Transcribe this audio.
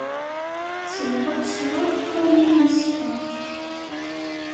Tessweḍ-aɣ ccrab armi i neskeṛ.